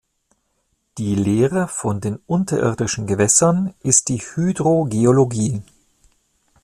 Die Lehre von den unterirdischen Gewässern ist die Hydrogeologie.